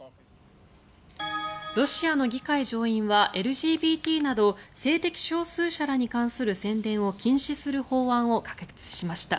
ロシアの議会上院はＬＧＢＴなど性的少数者らに関する宣伝を禁止する法案を可決しました。